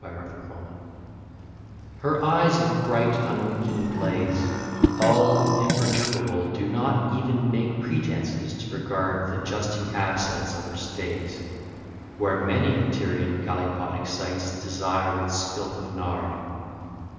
MINOAN PORCELAIN Her eyes of bright unwinking glaze All imperturbable do not Even make pretences to regard The justing absence of her stays, Where many a Tyrian gallipot Excites desire with spilth of nard.